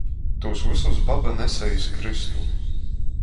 Tūs vysus baba nese iz krystu.